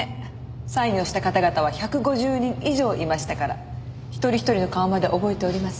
サインをした方々は１５０人以上いましたから一人一人の顔まで覚えておりません。